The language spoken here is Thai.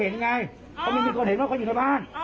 เพราะเขาเห็นไงเขามีคนเห็นว่าเขาอยู่ในบ้าน